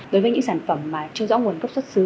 đối với những sản phẩm mà chưa rõ nguồn gốc xuất xứ